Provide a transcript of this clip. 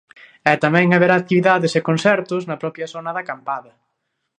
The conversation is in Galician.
E tamén haberá actividades e concertos na propia zona de acampada.